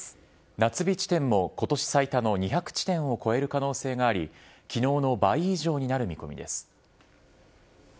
夏日地点も今年最多の２００地点を超える可能性があり昨日の倍以上になる見込みです。